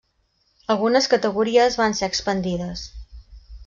Algunes categories van ser expandides.